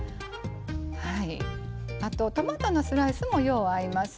あと、トマトのスライスもよう合います。